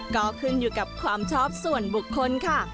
ก็ขึ้นอยู่กับความชอบส่วนบุคคลค่ะ